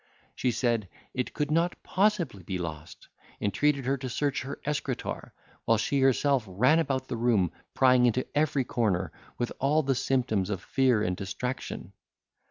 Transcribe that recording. She said, it could not possibly be lost; entreated her to search her escritoir, while she herself ran about the room, prying into every corner, with all the symptoms of fear and distraction.